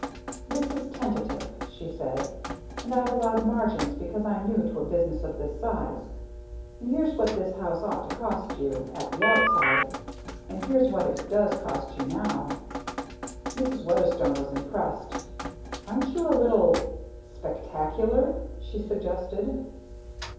"This is tentative," she said, "and I've allowed margins because I'm new to a business of this size. But here's what this house ought to cost you at the outside, and here's what it does cost you now." Mrs. Weatherstone was impressed. "Aren't you a little spectacular?" she suggested.